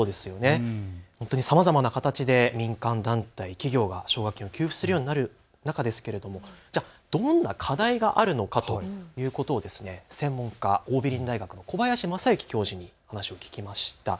本当にさまざまな形で民間団体、企業が奨学金を給付するようになる中ですが、どんな課題があるのかということを専門家、桜美林大学の小林雅之教授に聞きました。